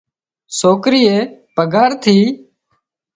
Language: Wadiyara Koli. سوڪرئي پگھار ٿِي